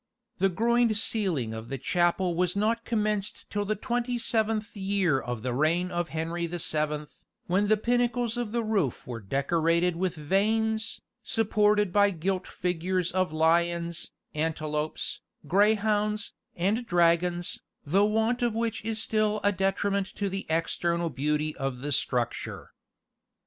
The groined ceiling of the chapel was not commenced till the twenty seventh year of the reign of Henry the Seventh, when the pinnacles of the roof were decorated with vanes, supported by gilt figures of lions, antelopes, greyhounds, and dragons, the want of which is still a detriment to the external beauty of the structure.